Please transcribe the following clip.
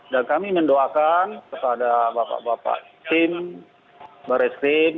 dan kami mendoakan kepada bapak bapak tim wariskin